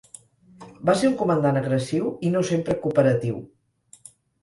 Va ser un comandant agressiu i no sempre cooperatiu.